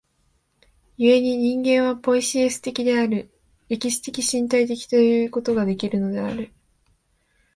故に人間はポイエシス的である、歴史的身体的ということができるのである。